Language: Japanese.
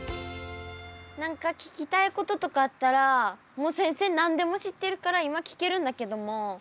何か聞きたいこととかあったらもう先生何でも知ってるから今聞けるんだけども。